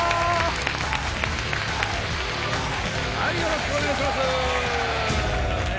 よろしくお願いします。